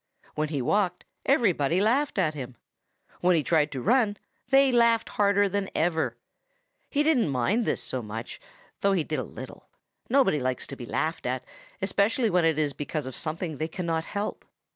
When he walked, everybody laughed at him. When he tried to run, they laughed harder than ever. He didn't mind this so very much, though he did a little. Nobody likes to be laughed at, especially when it is because of something they cannot help.